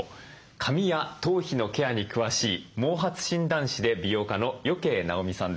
髪や頭皮のケアに詳しい毛髪診断士で美容家の余慶尚美さんです。